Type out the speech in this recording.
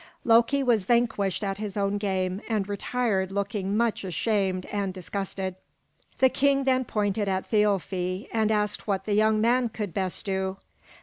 Loki was vanquished at his own game, and retired looking much ashamed and disgusted. The king then pointed at Thialfi, and asked what that young man could best do.